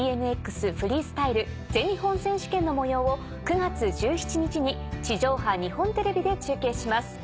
フリースタイル全日本選手権の模様を９月１７日に地上波日本テレビで中継します。